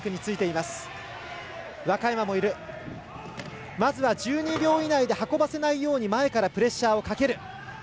まずは１２秒以内で運ばせないように前からプレッシャーをかける。